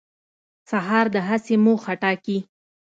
سهار د هڅې موخه ټاکي.